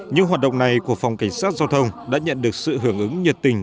những hoạt động này của phòng cảnh sát giao thông đã nhận được sự hưởng ứng nhiệt tình